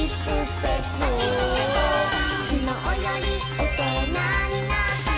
「きのうよりおとなになったよ」